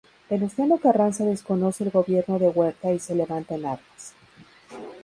Venustiano Carranza desconoce el gobierno de Huerta y se levanta en armas.